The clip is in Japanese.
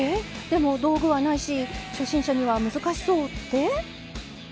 ⁉でも道具はないし初心者には難しそう」って？